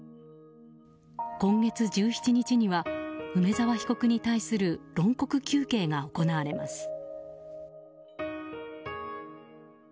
今月１７日には梅沢被告に対する論告求刑が行われます。